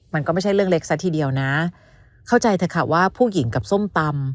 มันก็ไม่ใช่เรื่องเล็กซะทีเดียวนะเข้าใจเถอะค่ะว่าผู้หญิงกับส้มตำ